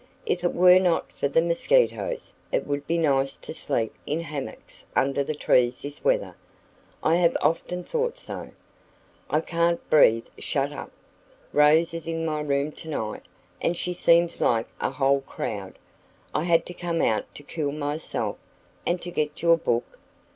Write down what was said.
If it were not for the mosquitoes, it would be nice to sleep in hammocks under the trees this weather." "I have often thought so. I can't breathe shut up. Rose is in my room tonight, and she seems like a whole crowd. I had to come out to cool myself." "And to get your book.